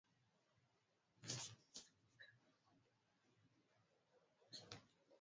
kwa mayai Halafu viluwiluwi au mabuu au watoto hao wa kupe nao husambaza viini